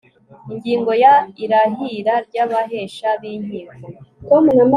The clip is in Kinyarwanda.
ingingo ya irahira ry abahesha b inkiko